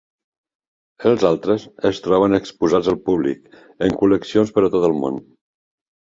Els altres es troben exposats al públic en col·leccions per a tot el món.